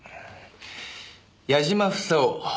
矢嶋房夫。